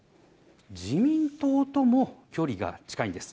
自民党とも距離が近いんです。